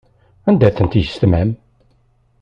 Anda-tent yissetma-m?